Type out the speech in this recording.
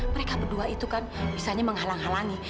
mereka berdua itu kan misalnya menghalang halangi